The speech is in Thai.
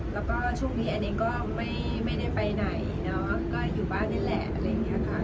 แล้วก็ช่วงนี้แอนเองก็ไม่ได้ไปไหนเนาะก็อยู่บ้านนี่แหละอะไรอย่างนี้ค่ะ